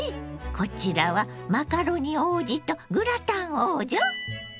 こちらはマカロニ王子とグラタン王女？